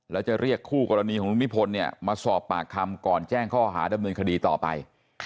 แล้วจะเรียกคู่กรณีของลุงนิพนธ์เนี่ยมาสอบปากคำก่อนแจ้งข้อหาดำเนินคดีต่อไป